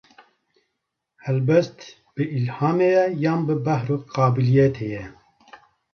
Helbest, bi îlhamê ye yan bi behr û qabîliyetê ye?